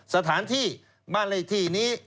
สถานที่บ้านเลขที่นี้